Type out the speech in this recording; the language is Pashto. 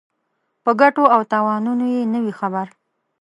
په ګټو او تاوانونو یې نه وي خبر.